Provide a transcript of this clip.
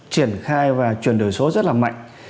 triển khai và chuyển đổi số rất là mạnh